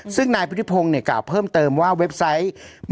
ซึ่งนายพุทธิพงศ์กล่าวเพิ่มเติมว่าเว็บไซต์